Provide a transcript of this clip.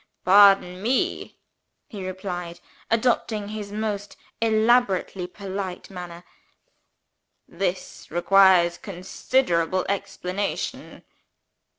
"Pardon me," he replied, adopting his most elaborately polite manner. "This requires considerable explanation."